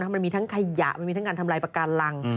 มันมีทั้งขยะมันมีทั้งการทำลายปากการัง